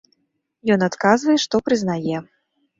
Ён адказвае, што прызнае.